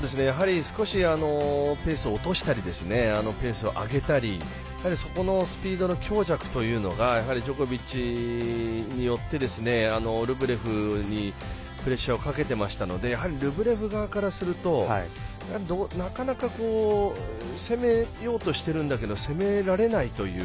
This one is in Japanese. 少しペースを落としたりペースを上げたりとそのスピードの強弱がやはりジョコビッチによってルブレフにプレッシャーをかけていましたのでルブレフ側からすると、なかなか攻めようとしてるんだけど攻められないという。